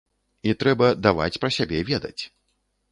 І трэба даваць пра сябе ведаць.